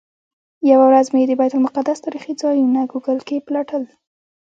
یوه ورځ مې د بیت المقدس تاریخي ځایونه ګوګل کې پلټل.